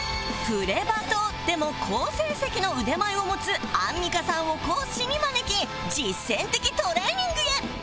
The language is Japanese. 『プレバト！！』でも好成績の腕前を持つアンミカさんを講師に招き実践的トレーニングへ